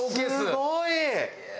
すごい！